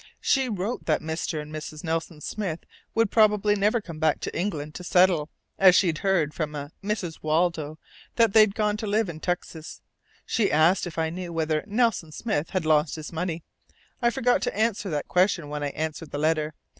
She wrote that 'Mr. and Mrs. Nelson Smith' would probably never come back to England to settle, as she'd heard from a Mrs. Waldo that they'd gone to live in Texas. She asked if I knew whether 'Nelson Smith' had lost his money. I forgot to answer that question when I answered the letter.